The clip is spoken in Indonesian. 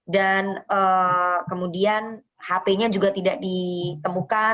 dan kemudian hp nya juga tidak ditemukan